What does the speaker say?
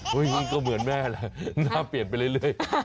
ยิ่งก็เหมือนแม่แหละหน้าเปลี่ยนไปเรื่อย